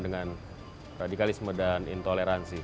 dengan radikalisme dan intoleransi